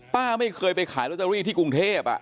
ป้าไม่เคยไปขายรถจริงที่กรุงเทพฯ